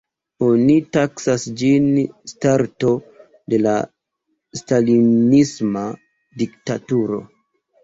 Oni taksas ĝin starto de la stalinisma diktaturo.